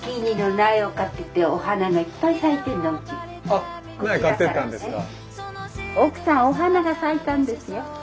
あっ苗買っていったんですか。